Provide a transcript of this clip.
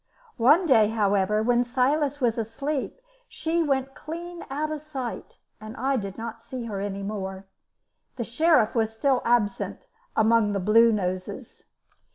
One day, however, when Silas was asleep she went clean out of sight, and I did not see her any more. The Sheriff was still absent among the Bluenoses.